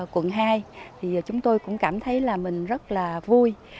quận hai thì chúng tôi cũng cảm thấy là mình rất là vui